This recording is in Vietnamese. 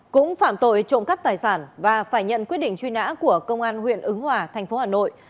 cũng phạm tội trộm cắt tài sản và phải nhận quyết định truy nã của công an huyện ứng hòa thành phố hà nội